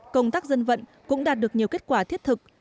công tác dân vận cũng đạt được nhiều kết quả thiết thực